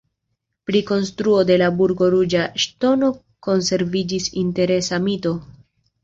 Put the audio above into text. Pri konstruo de la burgo Ruĝa Ŝtono konserviĝis interesa mito.